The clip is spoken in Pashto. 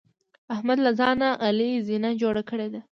احمد له ځان نه علي زینه جوړه کړې ده.